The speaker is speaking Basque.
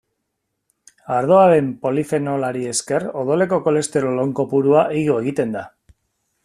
Ardoaren polifenolari esker odoleko kolesterol on kopurua igo egiten da.